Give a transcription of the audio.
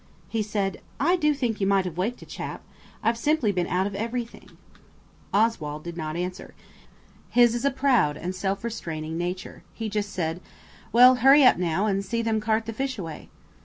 He said, "I do think you might have waked a chap. I've simply been out of everything." Oswald did not answer back. His is a proud and self restraining nature. He just said– "Well, hurry up, now, and see them cart the fish away."